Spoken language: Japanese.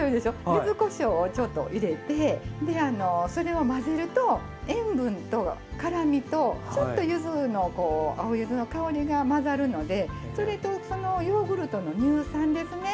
ゆずこしょうをちょっと入れてそれを混ぜると塩分と辛みとちょっとゆずの青ゆずの香りが混ざるのでそれとそのヨーグルトの乳酸ですね